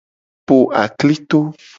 Po aklito.